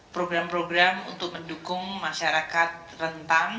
program program untuk mendukung masyarakat rentan